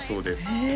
へえ